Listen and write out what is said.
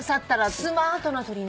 スマートな鳥ね。